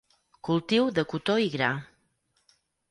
Cultiu de cotó i gra.